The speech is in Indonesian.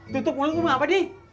tutup mulut lu apa di